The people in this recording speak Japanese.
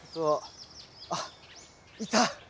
あっいた！